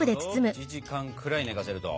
１時間くらい寝かせると。